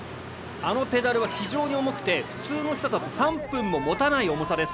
あのペダルは非常に重くて普通の人だと３分も持たない重さです。